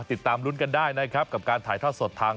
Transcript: ติดตามลุ้นกันได้นะครับกับการถ่ายทอดสดทาง